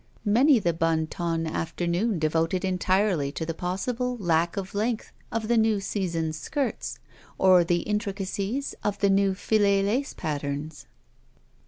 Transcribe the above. Many the Bon Ton afternoon devoted entirely to the possible lack of length of the new season's skirts or the intricacies of the new filet lace patterns.